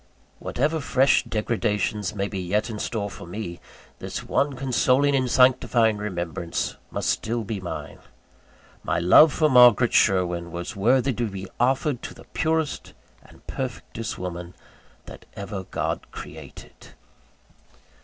Whatever fresh degradations may be yet in store for me, this one consoling and sanctifying remembrance must still be mine. My love for Margaret Sherwin was worthy to be offered to the purest and perfectest woman that ever God created.